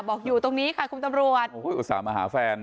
อยู่ตรงนี้ค่ะคุณตำรวจอุตส่าห์มาหาแฟน